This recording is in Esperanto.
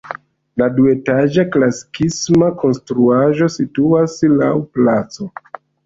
La duetaĝa klasikisma konstruaĵo situas laŭ placo.